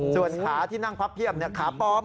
ส่วนขาที่นั่งพับเพียบขาปลอม